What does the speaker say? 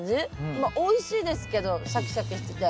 まあおいしいですけどシャキシャキしてて。